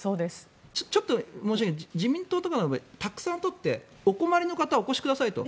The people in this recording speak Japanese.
ちょっと申し訳ないけど自民党の場合たくさん取ってお困りの方お越しくださいと。